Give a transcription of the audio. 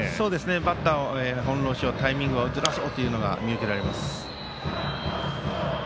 バッターを翻弄しようタイミングをずらそうというのが感じられます。